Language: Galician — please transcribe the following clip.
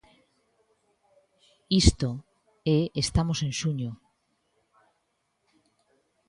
Isto, e estamos en xuño.